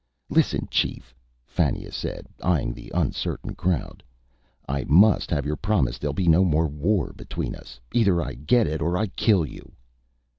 "Listen, Chief," Fannia said, eying the uncertain crowd. "I must have your promise there'll be no more war between us. Either I get it or I kill you."